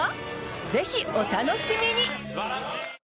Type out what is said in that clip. ぜひ、お楽しみに！